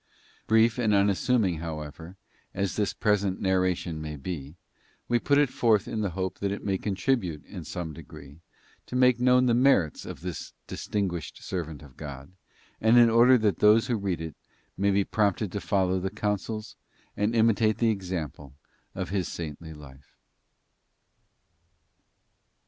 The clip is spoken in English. [*] Brief and unassuming, however, as this present narration may be, we put it forth in the hope that it may contribute, in some degree, to make known the merits of this distinguished servant of God, and in order that those who read it may be prompted to follow the counsels and imitate the example of his saintly life.